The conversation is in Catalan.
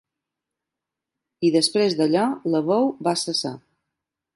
I després d'allò, la veu va cessar.